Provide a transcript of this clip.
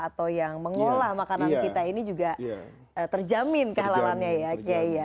atau yang mengelola makanan kita ini juga terjamin kehalalannya ya